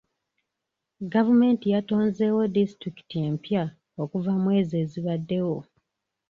Gavumenti yatonzeewo disitulikiti empya okuva mw'ezo ezibaddewo.